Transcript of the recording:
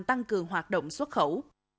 tăng cường hoạt động xuất khẩu